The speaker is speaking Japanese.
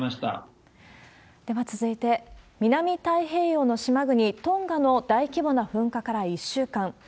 では続いて、南太平洋の島国、トンガの大規模な噴火から１週間。